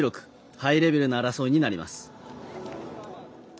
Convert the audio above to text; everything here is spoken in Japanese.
ハイレベルな争いになります。